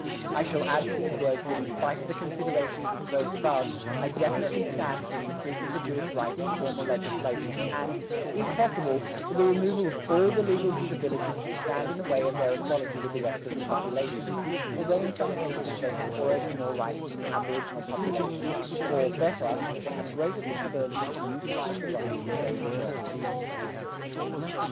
I shall add to these words that in spite of the considerations exposed above, I definitely stand for an increase of the Jewish rights in formal legislation and, if possible, for the removal of all the legal disabilities which stand in the way of their equality with the rest of the population (although in some cases they have already more rights than the aboriginal population, or, better, they have greater possibilities to utilise the rights which they enjoy)."